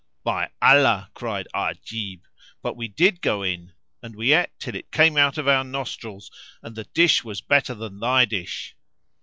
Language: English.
"By Allah," cried Ajib, "but we did go in and we ate till it came out of our nostrils, and the dish was better than thy dish!"